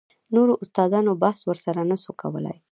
نورو استادانو بحث ورسره نه سو کولاى.